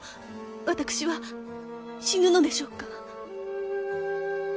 私は死ぬのでしょうか？